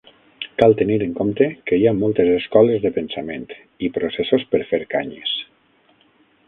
Cal tenir en compte que hi ha moltes escoles de pensament i processos per fer canyes.